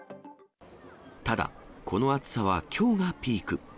ただ、この暑さはきょうがピーク。